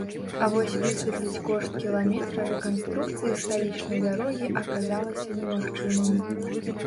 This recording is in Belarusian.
А вось высветліць кошт кіламетра рэканструкцыі сталічнай дарогі аказалася немагчымым.